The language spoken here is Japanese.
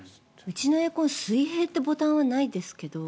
うちのエアコン水平というボタンはないですけど。